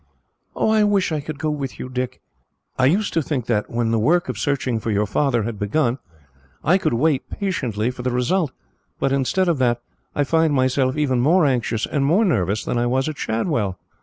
"I wish I could go with you, Dick. I used to think that, when the work of searching for your father had begun, I could wait patiently for the result; but instead of that, I find myself even more anxious and more nervous than I was at Shadwell."